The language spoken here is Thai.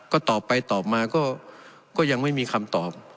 ก็ตอบไปตอบมาก็ยังไม่มีคำตอบ